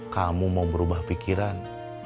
kamu mau berubah pikiran